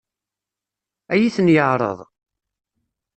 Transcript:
Ad iyi-ten-yeɛṛeḍ?